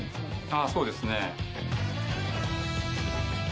あっそうですね。